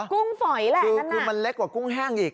กุ้งฝอยแหละคือมันเล็กกว่ากุ้งแห้งอีก